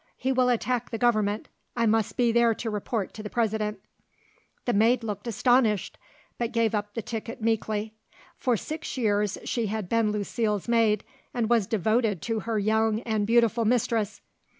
He will attack the Government; I must be there to report to the President." The maid looked astonished, but gave up the ticket meekly. For six years she had been Lucile's maid, and was devoted to her young and beautiful mistress.